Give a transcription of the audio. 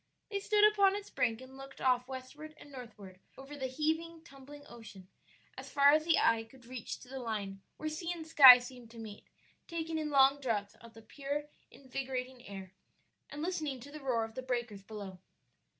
They stood upon its brink and looked off westward and northward over the heaving, tumbling ocean, as far as the eye could reach to the line where sea and sky seemed to meet, taking in long draughts of the pure, invigorating air, and listening to the roar of the breakers below.